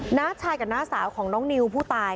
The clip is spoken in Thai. น้าชายกับน้าสาวของน้องนิวผู้ตาย